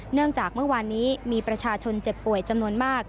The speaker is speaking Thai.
เนื่องจากเมื่อวานนี้มีประชาชนเจ็บป่วยจำนวนมาก